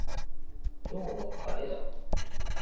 今日は晴れだ